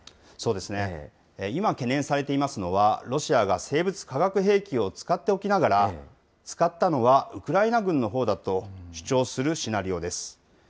今、懸念されていますのは、ロシアが生物・化学兵器を使っておきながら、使ったのはウクライナ軍のほうだと主張するシナリオです。